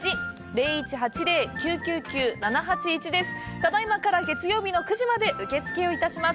ただいまから月曜日の９時まで受付をいたします。